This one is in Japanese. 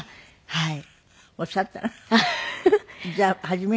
はい。